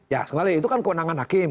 ya sekali itu kan kewenangan hakim